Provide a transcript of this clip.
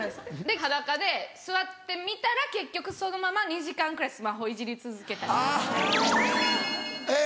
裸で座ってみたら結局そのまま２時間くらいスマホいじり続けたりとかしちゃう。